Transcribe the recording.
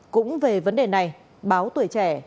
cũng về vấn đề này báo tuổi trẻ